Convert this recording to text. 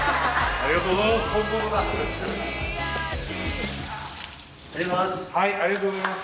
ありがとうございます。